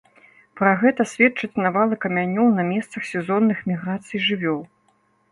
Пра гэта сведчаць навалы камянёў на месцах сезонных міграцый жывёл.